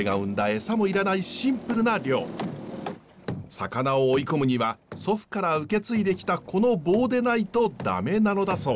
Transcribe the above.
魚を追い込むには祖父から受け継いできたこの棒でないとダメなのだそう。